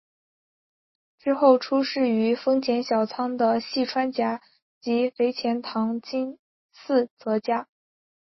之后出仕于丰前小仓的细川家及肥前唐津寺泽家。